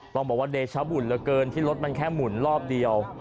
ต้องบอกว่าเดชบุญเหลือเกินที่รถมันแค่หมุนรอบเดียว